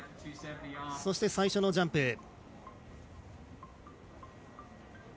そして最初のジャンプ。